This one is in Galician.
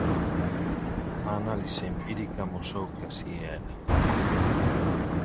A análise empírica amosou que así era.